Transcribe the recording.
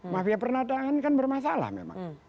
mafia peradaan kan bermasalah memang